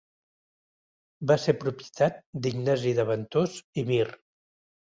Va ser propietat d'Ignasi de Ventós i Mir.